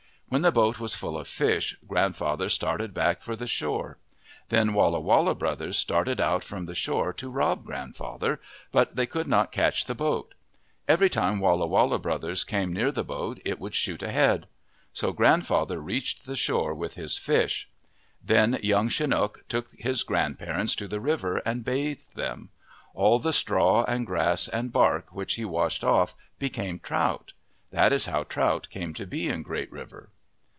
When the boat was full of fish, grandfather started back for the shore. Then Walla Walla brothers started out from the shore to rob grandfather. But they could not catch the boat. Every time Walla Walla brothers came near the boat, it would shoot ahead. So grandfather reached the shore with his fish. Then Young Chi nook took his grandparents to the river and bathed them. All the straw and grass and bark which he washed off became trout. That is how trout came to be in Great River.